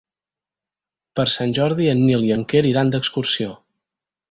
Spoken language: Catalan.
Per Sant Jordi en Nil i en Quer iran d'excursió.